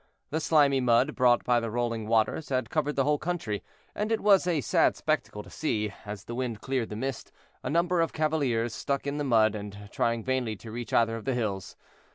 The slimy mud brought by the rolling waters had covered the whole country, and it was a sad spectacle to see, as the wind cleared the mist, a number of cavaliers stuck in the mud, and trying vainly to reach either of the hills.